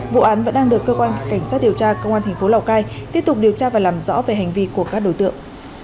vụ án vẫn đang được cơ quan cảnh sát điều tra công an tp lào cai tiếp tục điều tra và làm rõ về hành vi của các đối tượng